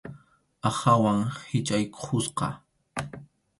Aqhawan hichʼaykusqa.